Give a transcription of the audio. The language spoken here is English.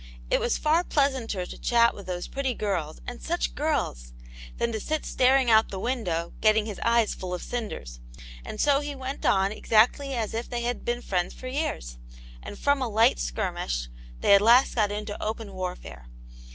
It was far pleasanter to chat with those pretty girls, and such girls ! than to sit staring out of the window, getting his eyes full of cinders. And so he went on exactly as if they had been friends for years, and from a light skirmish they at last got into open warfare.